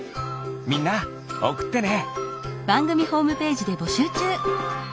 みんなおくってね！